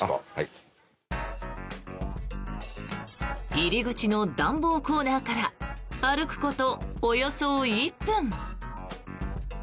入り口の暖房コーナーから歩くことおよそ１分。